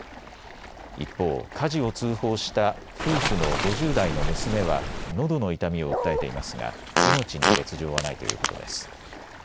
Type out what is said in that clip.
一方、火事を通報した夫婦の５０代の娘はのどの痛みを訴えていますが命に別状はないということです。